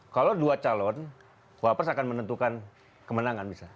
kalau dua calon wapres akan menentukan kemenangan bisa